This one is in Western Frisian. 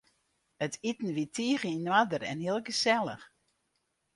It iten wie tige yn oarder en hiel gesellich.